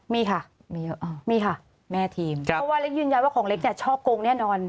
มีค่ะมีค่ะแม่ทีมจับเพราะว่าเล็กยืนยันว่าของเล็กชอบโกงแน่นอน